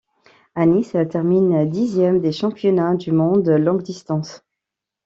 À Nice, elle termine dixième des championnats du monde longue distance.